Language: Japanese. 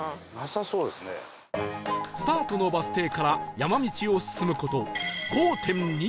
スタートのバス停から山道を進む事 ５．２ キロ